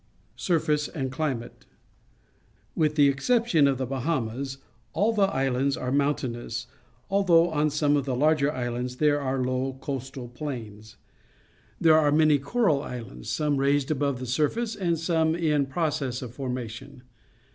Surface and Climate. — With the exception of the Bahamas, all the islands are mountain. ous, although on some of the larger islands TKere are lqw_CQastalplains. There are many coral isjiinds, some raisecT above the surface and some in process of formation.